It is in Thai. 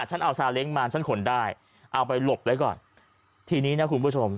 ฉันเอาซาเล้งมาฉันขนได้เอาไปหลบไว้ก่อนทีนี้นะคุณผู้ชม